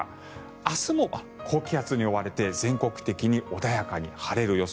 明日も高気圧に覆われて全国的に穏やかに晴れる予想。